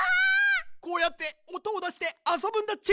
こうやっておとをだしてあそぶんだっち。